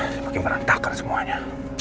semakin merantakan semuanya